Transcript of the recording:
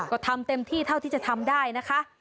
ก็ทำเต็มที่เท่าที่จะทำได้นะคะ